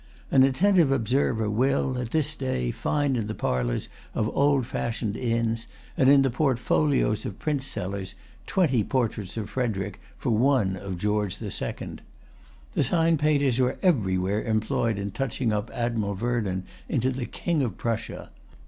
An attentive observer will, at this day, find in the parlors of old fashioned inns, and in the portfolios of print sellers, twenty portraits of Frederic for one of George the Second. The sign painters were everywhere employed in touching up Admiral Vernon into the King of Prussia.